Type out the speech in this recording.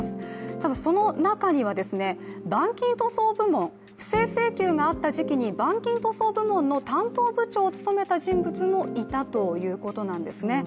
ただ、その中には板金塗装部門、不正請求があった時期に板金塗装部門の担当部長を務めた人物もいたということなんですね。